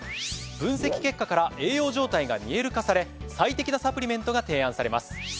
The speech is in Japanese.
分析結果から栄養状態が見える化され最適なサプリメントが提案されます。